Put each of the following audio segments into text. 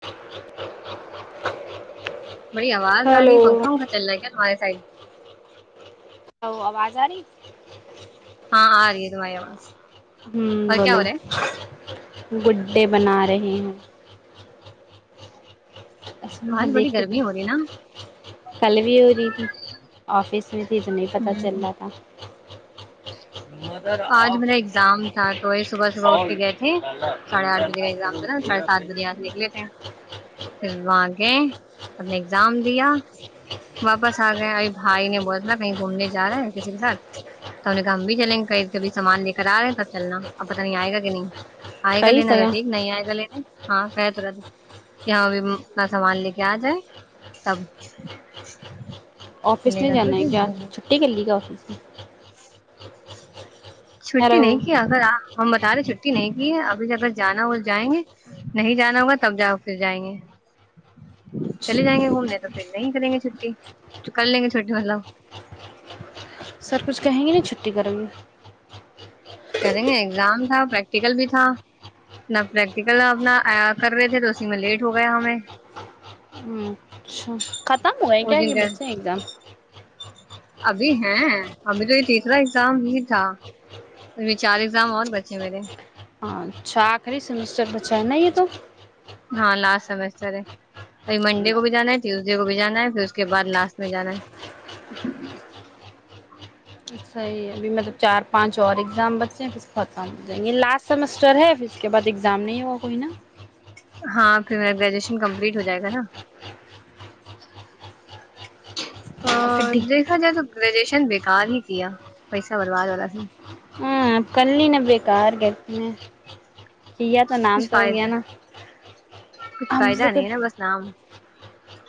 [inaudible] بڑی آواز آ رہی ہلو ہے پنکھا ونکھا چل رہا کیا تمہارے سائڈ ا آواز آ رہی ہاں آ رہی ہے تمہاری آواز ہوں اور کیا بولو ہو رہا ہے گڈے بنا رہے ہیں اسس وہاں آج بڑی دیکھ کے گرمی ہو رہی نا کل بھی ہو رہی تھی آفس میں تو نہیں پتا ہوں چلتا تھا ا ا ا آج میرا ایگزام تھا تو وہی صبح صبح اٹھ کے گئے تھے ساڑھے آٹھ بجے کا ایگزام تھا نا ساڑھے سات بجے آ کے نکلے تھے پھر وہاں گئے اپنے جام دیا واپس آ گئے اب بھائی نے بتنا کہیں گھومنے جا رہے ہیں کسی کے ساتھ تو ان نے کہا ہم بھی چلیں گے قری کبھی سامان لے کر آ رہے ہیں تب چلنا اب پت نہیں آئے گا کہ نہیں آئے گا کہی لینا تھا سگا ٹھیک نہیں آئے گا لینے ہاں کہ تو رہ کہ ہاں اب اپنا سامان لے کے آ جائے تب آفس لے نہیں گا تو جانا ہے ٹھیک کیا نہیں چھٹی کر لیے گے آفس میں اچ اچ چھٹی نہیں کی اگرپ ہم سارے چھٹی نہیں کی ہے ابھی اگر جانا ہو تو جائیں گے نہیں جانا ہوگا تب جاؤ پھر جائیں گے چلے اچھا جائیں گے گھومنے تو پھر نہیں کریں گے چھٹی تو کر لیں گے چھٹی مطلب سر کچھ کہیں گے نہیں چھٹی کریں گے کریں گے ایگزام تھا پریکٹیکل بھی تھا نہ پریکٹیکل اپنا کر رہے تھے تو اسی میں لیٹ ہو گیا ہمیں گے اچھا ختم ہوئے اس کیاگ دن کا بچے ایگزام ابھی ہیں ابھی تو یہ تٹیکرا ایگزام ہی تھا ا چار ایگزام اور بچے میرے ہاں اچھا آخری سیمیسٹر ب چ ہےنا ہے تو ہاں لاسٹ سمیسٹر ہے اب منڈے کو بھی جانا ہے ٹیوزڈے کو بھی جانا ہے پھر اس کے بعد لاسٹ میں جانا ہے کہ صحیح ابھی مطلب چار پانچ اور ایگزام بچے ہیں پ خت ہو جائیں گے لاسٹ سمسٹر ہے پھر اس کے بعد ایگزام نہیں ہوا کوئی نا تو میرا گریجویشن کمپلیٹ ہو جائے گا نا پھر ا دیکھا جائے تو گریجویشن بھی کار ہی کیا پیسہ برباد والا س ہاں کلین بیکا آار گت میں یا تو نام کچھ تو ہو گیا فائدہ نا کچھ ہم سے فائدہ تو نہیں کوئی ہے نا بس نام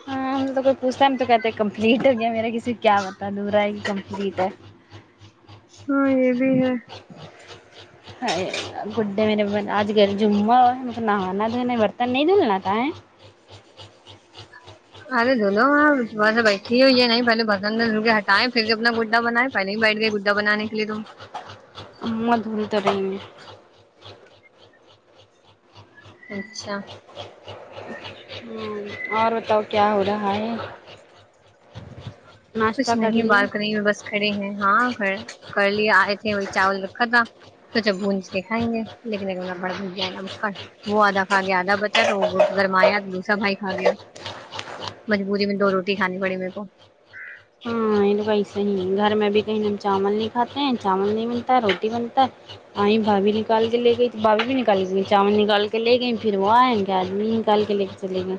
ہاں ہم سے تو کوئی پوچھتا ہے تو کہتے کمپلیٹ ہو گیا میرا کسی کیا بتا دورا ہے کہ کمپلیٹ ہے ہاں یہ بھی ہے گڈے میرے ب اج کل جا ہو مطل نانا تونے برتن نہیں دولنا ت ارے دولو آپ سے بیٹھی ہوئی ہے نہیں پہلے بسن کے ہٹائے پھر سے اپنا گڈا بنائے پہلے بھی بیٹھ گئے گڈا بنانے کے لیے ت ا م دھول تبن میں اچھا اور بتاؤ کیا ہو رہا ہے ناشتہ کچھ کر نہیں لیا بالکنی میں بس کھڑے ہیں ہاں کڑ کر لے آئے تھے وہی چاول رکھا تھا سوچا بھج کے کھائیں گے لیکن ایک میرا بڑا بھیا ہے نا مکڑ وہ آدھا کھا گیا آدھا بچا تو وہ گرمایا دوسرا بھائی کھا گیا مجبوری میں دو روٹی کھانی پڑی میرے کو [inaudible] لو ب صی گھر میں بھی کہیں ن ہم چاول نہیں کاتے چاول نہیں بنتا روٹی بنتا ہے آئ بھابھی نکال کے لے گئی بھبھی بھی نکال کے گ چاول نکال کے لے گئی پھر وہ آئیں گے آدمی نکال کے لے کے چلے گئے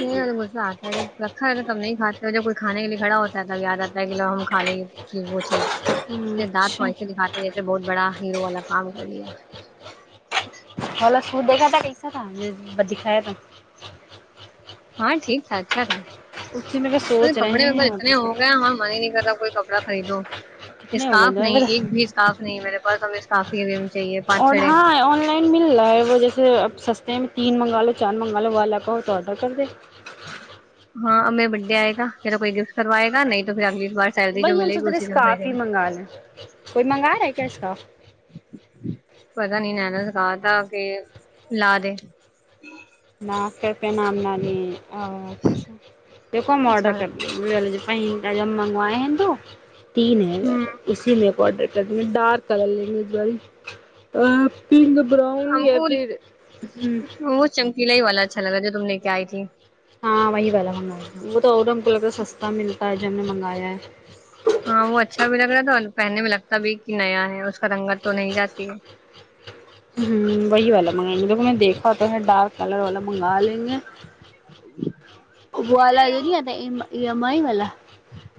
نہیں غصہ آتا ہے جب رکھا ہو تو ہے تب نہیں کھاتے جب کوئی کھانے کے لیے کھڑا ہوتا ہے تب یاد آتا ہے کہو ہم کھا لیز وہ گئے چیز دانت تو اچھا ایسے دکھاتے جیسے بہت بڑا ہیرو والا کام کر لیا ک سو دیکھا تھا کہیسا تھا ب دکھا ہے تھا ہاں ٹھیک تھا اچھا تھا اسی میں ارے سوچ رہے کپڑے و ہیں اتنے آڈر کا ہو گئے ہم من ہی نہیں کرتا کوئی کپڑا خئی دو کتنے ہو گئے اسکاف دو نہیں ایک بتا بھی اسکاف نہیں میرے پ ہم سافھی اور ہاں آن لائن مل رہا ہے وجیسے اپ سستے میں تین منگا لو چار منگوا لو وہا کا ہو تو آڈر کر دیں ہاںیر بڈے آئے گ پیرا کوئی گفٹ کروائے گ نہیں تو پھر آگ وہی ہم سدرے اسکاف ہی منگا لے کوئی منگا رہا ہے کیا اسکاف پتا نہیں نا سکھا تھا کہ لا د ن کر پہ نام نہ لی ا دیکھو ہم آڈر اچھا کر لے پہ کا جم منگوائ تو تین ہےار ہوں اسی میں یں ڈارک کلر لیں گے ایک ب پنک براؤن ہم یا کو پھر ہ اچا لگا کیا آئی تھی ہاں وہی والا ہونا وہ تو اورنگ کو ل کا سستا ملتا ہے ج ہم نے منگایا ہے ہاں وہ اچھا بھی لگ رہا تھا پہننے میں لگتا بھی کہ نیا ہے اس کا رنگت تو نہیں جاتی ہے ہ وہی والا منگائیں گے م لے میں نے دیکھا ہوتا ہے ڈارک کلر ول مگ آالیں ابوالا جو نہیںیا ای ایم آئی والا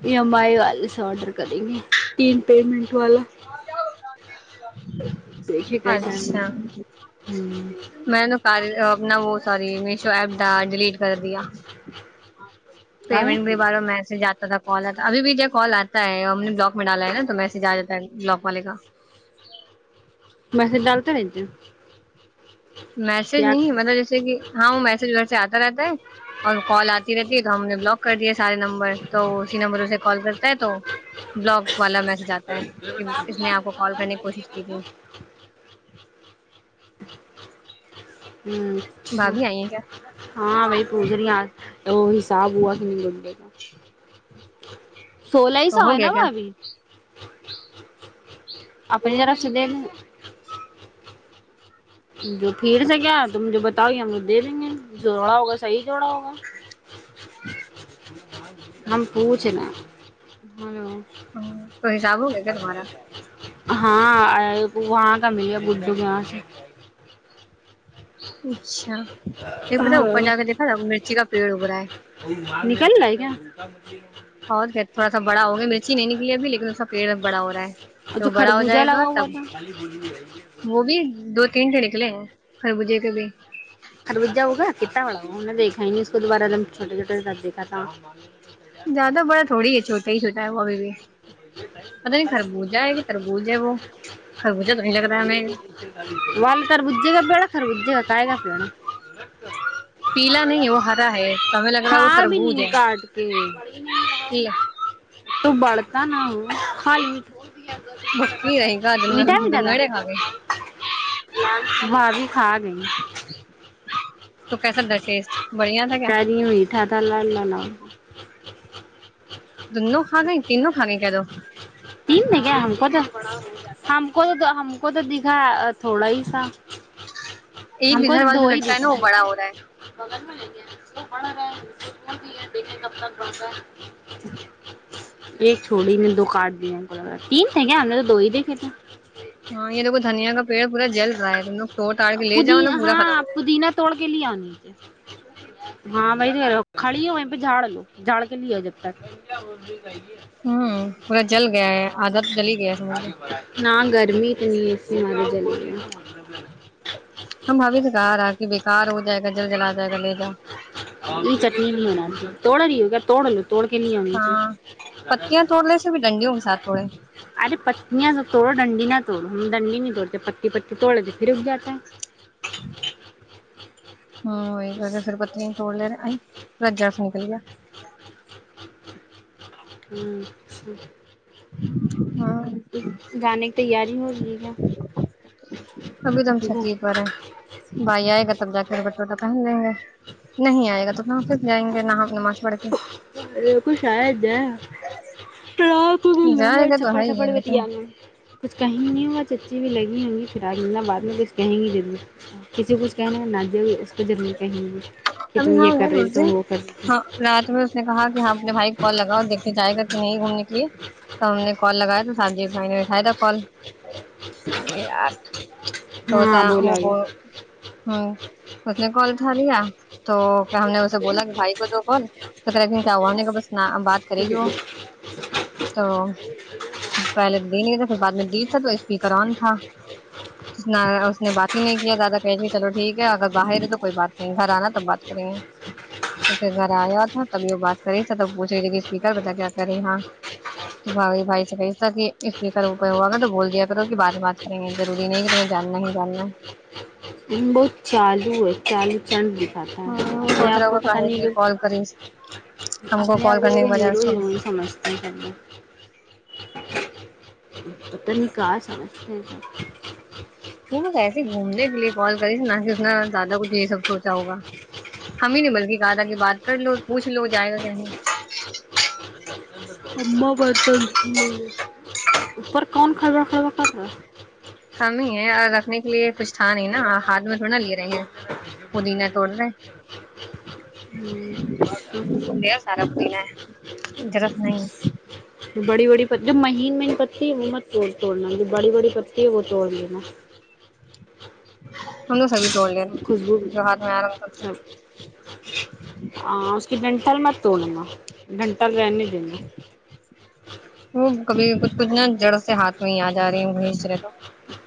یہ امائی والال آڈر کریں گے تین پیمنٹ والا دیکھیے کیسا ہے اچھا مجھے ہوں میں نے ک نا وہ سی میشو ایپ د ڈیلیٹ کر دیا کاہے پیمنٹ کے بار میسج آتا کال آتا ابھی بھی ج کال آتا ہے ہم نے بلاک م ڈالا ہےا تو میںسے جااتا بلاک والے کا ویسے ڈالتے یے جی میسج نہیں مطلب جیسے کہ ہاں وہ میسج گھر سے آتا رہتا ہے اور کال آتی رہتی ہے تو ہم نے بلاک کر دیا سارے نمبر تو اسی نمبر سے کال کرتا ہے تو بلاک والا میسج آتا ہے کہ اس نے آپ کو کال کرنے کی کوشش کی تھی [inaudible] ہمم اچھا بھابھی آئی ہیں کیا ہاں بھائی پوج رہی آج تو وہ حساب ہوا کہ نہیں گڈے کا [inaudible] سولہ ہی تو سو یے ہو نا گیا کیا بابی اپنی را س د جو پھر سے کیا ت مجھے بتاؤ دے دیں گے جوڑا ہوگا صحیح جوڑا ہوگا ہم پوج نا ہلو ہمم تو حساب ہو گ کیا تمہارا ہاں وہاں کا ملیا بج کہ یہاں سے اچھا اچھا یہ پتا اوپر ہاں جا کے دیکھا تھا مرچی کا پیڑ ہوگ رہا ہے نکل رہا ہے کیا بہ تھوڑا سا بڑا ہو گیا مرچی نہیں نکلی ابھی لیکن اس کا پیڑ بڑا ہو رہا اور ہے وہ جو بڑا ہو خربوزہ جائے گا لگا ہوا تب تھا وہ بھی دو تین سے نکلے ہیں خر مھے کبھی خربو جا ہوا کتا والا وہا ہم نے دیکا ہی نہیں اس کو دوبارہ ل چھوٹے چھوٹے ساتھ دیکا تھا زیادہ بڑا تھوڑی ہے چوٹا ہی چھٹا ہے وہ ابھی بھی پتا نہیں خربوجہ ہے کہ تربوج ہے وہ خربوزہ تو نہیں لگ رہا ہے میر بیڑا خر گ جے گا کاائے گا پان پیلا نہیں ہے وہ ہرا ہے تو ہمیں لگ رہا ہے کھا وہ بھی تربوز ن ہے کاٹ کے تو بڑ [unintelligible] بھکی رہے گا میٹھا میٹھا تھا دنڑے کھا گئے ہاں جی کھا گئی تو کیسا تھا ٹیسٹ بڑھیا تھا کیا کہہ رہی [inaudible] دونوں کھا گے تینوں کان گ کہ دوو تین میں گ ہم کوتا ہم کو تو ہم کو تو دکھا تھوڑا ہی سا ایک ہم گ کو گھر تو والا جو لڑکا ہے نا وہ بڑا ہو رہا ہے گیا بڑھ رہا ہے بھی دیکھے کب تک بتا ہے ا ا ا ایک چھوڑی نے دو کاٹ تین س آ نے تو دہ د کھیتے ہاں یہ د دنیا کا پیڑ پورا جل رہا ہے تم لو پودین ہاں پودینہ توڑ کے لی آ ہاں کڑی ہ پ جھاڑ لو جھاڑ کے لیا جب ت ہوں پورا جل گیا ہے آدھا تو جل ہی گیا ہے سمجھ گرمیت نہیں س ہمار ج ج ہم بھوی سکا رہا کہ بےیکار ہو جائے گا جل جلا جائے گا لے جاؤ یہ چٹنی بھی منا توڑ رہی ہو گا توڑ ل توڑ کے نہیں آی ہاں پتیاں توڑنے سے بھی ڈنڈیوں کے ساتھ توڑے ارے پتنیاں سب توڑو ڈنڈی نہ دنڈی نہیں توڑتے پتی پی توڑ تھ پھر اگ جاتا ہے ہ ہوں وہ بہ پھر پت توڑ لے رہا رججا سے نکل گیا ہوں جی اچ گانے کی تیاری ہو رہی ہے گا ابھی توم چتی پر ہے بھائییا ہے تب جا کر بٹوٹا پہن لیں گے نہیں آ گا تو ہم پھر جائیں گے نہ ہم معاس بڑکے ارے ک شا جائے ٹراک کو گ ل گے جائے اور گا تو چپڑ ہے ہی تھھپڑ ہے بھی لیکن تیانا کچھ کہیں نہیں ہوگا چچی بھی لگی ہووںگی پا بعد میں بس کہیں گی جرور کسی کچھ کہنے نا د گ اس کو ضرور کہیں گے ابھی ہاں ہے روز دن ہاں رات میں اس نے کہا کہ ج یہاں اپنے بھائی کال لگا دیکھنے جاہائے گا کہ نہیں گھومنے کے لیے تو ہم نے کال لگایا تو ساحب جی بھائی نے بٹھایا تھا کال یار تھوڑا ہاں بولاوے است نے کال اٹھا لیا تو ہم نے اسے بولا بھائی کو تو فون تو کریکن کیا ہوانے گا بس بات کرے گی وہ تو پہلے نہیں پھر بع میں ڈ تھا تو اسپیکر آن تھا اس نے بات ہی نہیں کیا دادا کہ چلو ٹھیک ہے اگر باہر ہے تو کوئی بات نہیں گھر آنا تو بات تو پھر گھر آیا تھا تبھی وہ بات کریب پوچ رہ تھے کہ اسپیکر بتا کیا کر رہے ہاں تو بھی بھائی سے کہ تھا کہ اسپیکر اپ ہوا کر تو بول دیا کرو کہ بع میں بات کریں گے روری نہیں کہ تمہیں جاننا ہی جاننا ہے ہم بہت چالو ہے چالو چن د ہاں وہ اپنے سوچ آپ رہا کو ہوگا پتہ نہیں ب کاہے کال کری ہم اپنے آپ کال کو کرنے ل کے بجائے ہیرو اس کو ہیرو ہی سمجھتے ہیں پے پت نہیں کہ س وہ ب ایسے گھومنے کے لیے کال کری نہ کہ انا زیادہ کچھ یہ سب سوچا ہوگا ہم ہی نہیں بلکہ کہدا کی بات کر لو پوچھ لو جائے گا کہ نہیں اا برتن اوپر کون کھرا خھا کر رہا ہے ہے اور رکھنے کے لیے کچھ تھا نہیں نا ب ہاتھ میں تال تھوڑا لیے رہیں بری گے سکیا م کر سکیا د سارا بتی ن رت نہیں بڑی بڑی پ مہین میںہین پتی ہے وہ مت توڑ توڑنا جو بڑی بڑی پتی ہے وہ توڑ لینا م سو دوڑ لین خوشبو جو ہات میں آرام تھا تھا سب کہ ڈنٹل م توڑنا ڈنٹل رہنے وہ کبھی کچھ کھنا جڑ سے ہاتھ میں ہی آ جا رہی ہ بھیچ رہے تو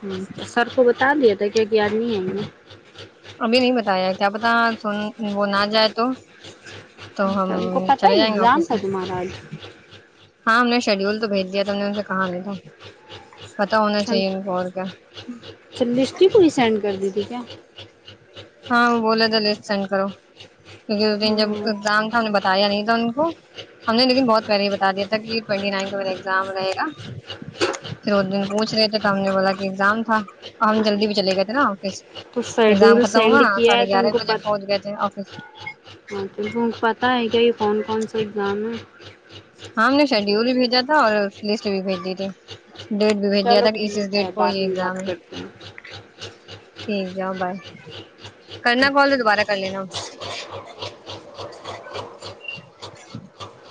ہ سر کو ب ہٹا دیا تھا کیا کہ آدمی ہے ہم اب بھی نہیں بتایا کیا پتا س وہ نہ جائے تو تو ہم ا ان کو پتہ چلے جائیں گے ایگزام آفس تھا سے تمہارا آج ہاں ہم نے شیڈیول تو بھیج دیا تھا ہم نے ان سے کہا نہیں تھا پتا ہونا اچ چاہیے ان کو اور کیا اچھا لسٹ ہی پوری سینڈ کر دی ٹھیک ہے ا ا ہ [unintelligible] ہاں وہ بول تو لسٹ سینڈ کرو کیونک اس دن جب ہوں ایگزام تھا انہ نے بتایا نہیں تھا ان کو ہم نے لیکن بہت پہلے ہی بتا دیا تھا کہ ٹینٹی نائن کا میرا ایگزام رہے گا پھر وہ دن پوچ رہے تھے تو ہم نے بولا کہ ایگزام تھا ہم جلدی بھی چلے گئے تھے نا تو ایگزام شیڈیول خ سینڈ کیا ہے تو ان کو پ آفس ہاں ان کو ان کو پتا ہے کیا یہ کون کون سا جام ہے آم شیڈیول بھی بھیجا تھا اور لسٹ بھی بھیج دیی تھی ڈیٹ بھی بھیج دیا چلو تھا کہ اس اس ٹھیک ڈیٹ ہے کو یہ بعد میں ایگزام بات ہے کرتے ہیں ٹھیک ہے بائے کرنا کال تو دوبارہ کر لینا [inaudible]